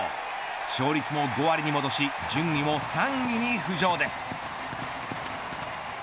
勝率も５割に戻し順位も３位に浮上です。